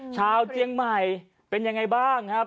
เจียงใหม่เป็นยังไงบ้างครับ